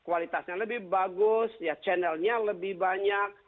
kualitasnya lebih bagus channelnya lebih banyak